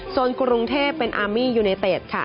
โซนกุลุงเทพฯเป็นอาร์มียูเนเต็ด